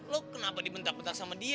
lu kenapa dibentak bentak sama dia